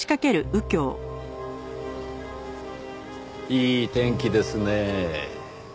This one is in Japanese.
いい天気ですねぇ。